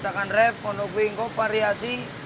gak akan rev ngonok wih ngop variasi